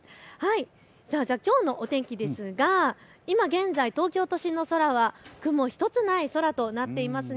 きょうのお天気ですが今現在、東京都心の空は雲１つない空となっています。